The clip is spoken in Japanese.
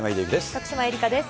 徳島えりかです。